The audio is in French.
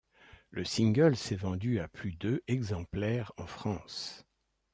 Le single s'est vendu à plus de exemplaires en France.